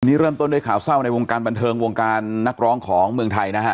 นี่เริ่มต้นด้วยข่าวเศร้าในวงการบันเทิงวงการนักร้องของเมืองไทยนะฮะ